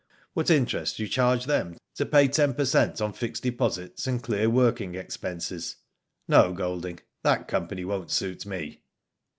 What interest do you charge them, to pay ten per cent on fixed de posits and clear working expenses ? No, Golding, that company won't suit me.